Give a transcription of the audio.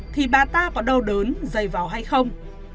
thì bà ta có đau đớn dày vào hay không